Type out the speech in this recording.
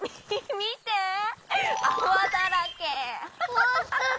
ほんとだ！